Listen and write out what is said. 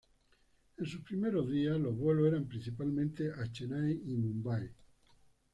En sus primeros días, los vuelos eran principalmente a Chennai y Mumbai.